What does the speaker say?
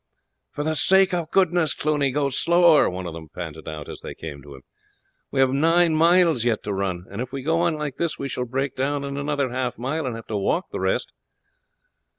"For the sake of goodness, Cluny, go slower," one of them panted out as they came to him. "We have nine miles yet to run, and if we go on like this we shall break down in another half mile, and have to walk the rest."